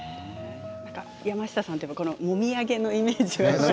山下さんというともみあげのイメージが。